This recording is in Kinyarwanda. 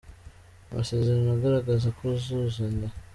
Amasezerano agaragaza kuzuzanya.